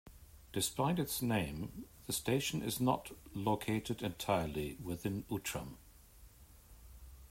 Despite its name, the station is not located entirely within Outram.